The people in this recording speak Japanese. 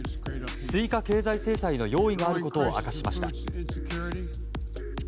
追加経済制裁の用意があることを明かしました。